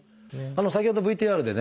先ほどＶＴＲでね